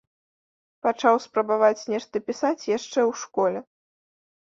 Пачаў спрабаваць нешта пісаць яшчэ ў школе.